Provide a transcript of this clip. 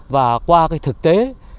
và qua cái thực tế